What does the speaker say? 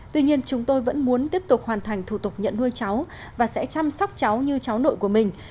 tuy nhiên chúng tôi vẫn muốn tiếp tục hoàn thành thủ tục nhận nuôi cháu và sẽ chăm sóc cháu như cháu nội của mình